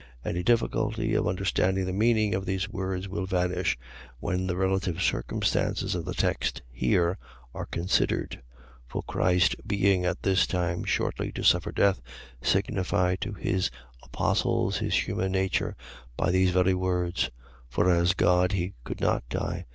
Any difficulty of understanding the meaning of these words will vanish, when the relative circumstances of the text here are considered: for Christ being at this time shortly to suffer death, signified to his apostles his human nature by these very words: for as God he could not die.